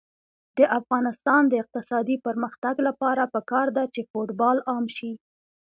د افغانستان د اقتصادي پرمختګ لپاره پکار ده چې فوټبال عام شي.